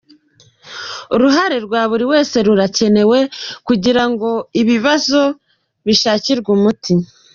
Uruhare rwa buri wese rurakenewe kugira ngo ibi bibazo bishakirwe umuti.